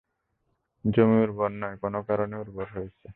জমি উর্বর নয়, কোনো কারণে উর্বর হয়েছে।